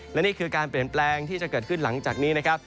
และนี่คือการเปลี่ยนแปลงที่จะเกิดขึ้นหลังจากนี้นะครับ